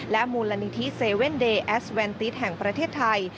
มูลนิธิเซเว่นเดย์แอสแวนติสแห่งประเทศไทย